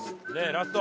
ラスト。